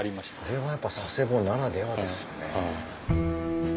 それはやっぱ佐世保ならではですよね。